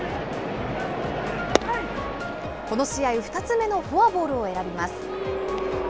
この試合２つ目のフォアボールを選びます。